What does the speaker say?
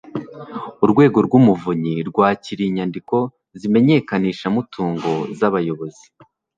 urwego rw'umuvunyi rwakiriye inyandiko z'imenyekanishamutungo z'abayobozi